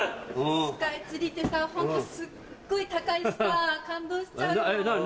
スカイツリーってさホントすっごい高いしさ感動しちゃうよ。